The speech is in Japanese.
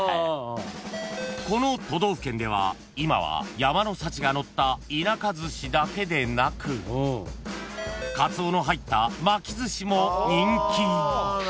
［この都道府県では今は山の幸がのった田舎寿司だけでなくカツオの入った巻きずしも人気］